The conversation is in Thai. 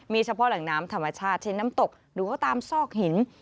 มีเฉพาะแหล่งน้ำธรรมชาติเช่นน้ำตกหรือว่าตามซอกหิน